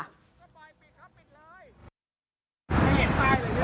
ไม่เห็นป้ายเลยครับไม่เห็นป้ายเลยครับไม่ได้ดูเลย